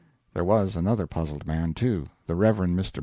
There was another puzzled man, too the Rev. Mr.